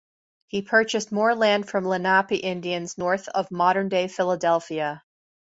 He purchased more land from Lenape Indians north of modern-day Philadelphia.